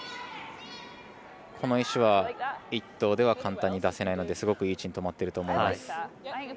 この石は１投では簡単に出せないのですごくいい位置に止まっていると思います。